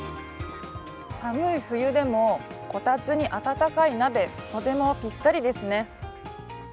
寒い冬でもこたつに温かい鍋、とてもぴったりですね。